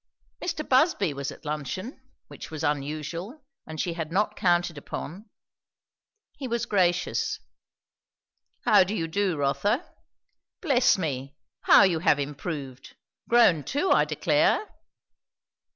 Mr. Busby was at luncheon, which was unusual and she had not counted upon. He was gracious. "How do you do, Rotha? Bless me, how you have improved! grown too, I declare."